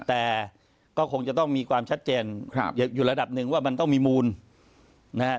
แต่ก็คงจะต้องมีความชัดเจนอยู่ระดับหนึ่งว่ามันต้องมีมูลนะฮะ